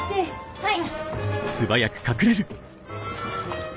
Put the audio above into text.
はい。